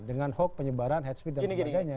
dengan hoax penyebaran headspace dan sebagainya